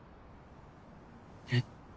えっ？